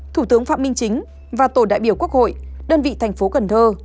thủ tướng phạm minh chính và tổ đại biểu quốc hội đơn vị tp cnh